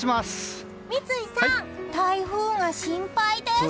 三井さん、台風が心配です！